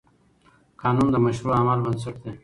قانون د مشروع عمل بنسټ دی.